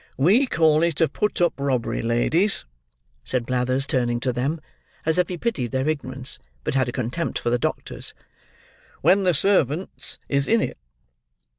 "We call it a put up robbery, ladies," said Blathers, turning to them, as if he pitied their ignorance, but had a contempt for the doctor's, "when the servants is in it."